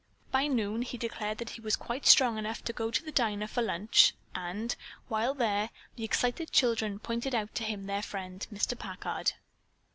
By noon he declared that he was quite strong enough to go to the diner for lunch, and, while there, the excited children pointed out to him their friend Mr. Packard.